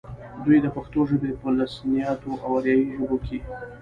دوي د پښتو ژبې پۀ لسانياتو او اريائي ژبو کښې